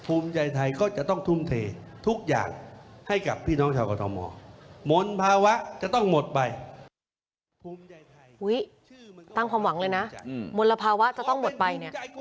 อุ๊ยตั้งความหวังเลยนะมลภาวะจะต้องหมดไป